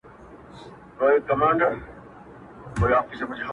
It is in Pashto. ستا د تصور تصوير كي بيا يوه اوونۍ جگړه.